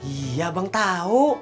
iya abang tahu